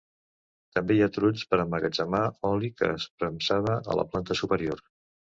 També hi ha trulls per emmagatzemar oli que es premsava a la planta superior.